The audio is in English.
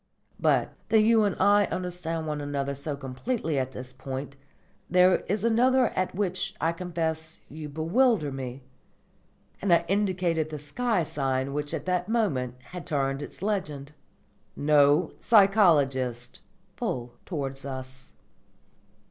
But, though you and I understand one another so completely at this point, there is another at which I confess you bewilder me." And I indicated the sky sign, which at that moment had turned its legend "No Psychologists" full towards us.